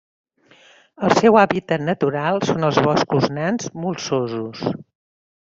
El seu hàbitat natural són els boscos nans molsosos.